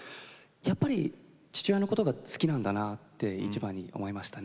やっぱり父親のことが好きなんだなって一番に思いましたね。